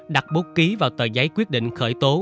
đặt bút ký vào tờ giấy quyết định khởi tố